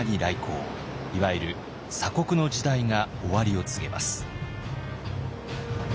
いわゆる鎖国の時代が終わりを告げます。